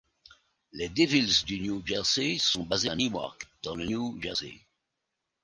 Les Devils du New Jersey sont basés à Newark dans le New Jersey.